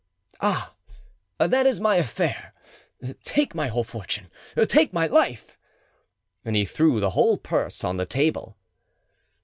"Ah! that is my affair. Take my whole fortune! Take my life!" And he threw the whole purse on the table.